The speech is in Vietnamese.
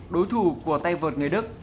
đối thủ của tay vợt người đức